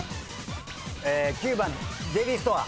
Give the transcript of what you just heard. ９番デイリーストア。